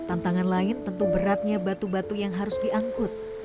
tantangan lain tentu beratnya batu batu yang harus diangkut